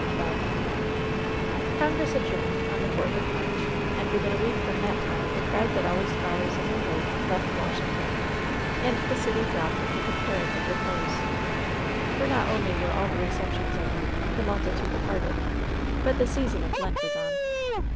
CHAPTER XI CoNGKESs adjourned on the fourth of March, and within a week from that time the crowd that always follows in their wake left Washington, and the city dropped into comparative repose ; for not only were all the receptions over, the multitude departed, but the sea son of Lent was on.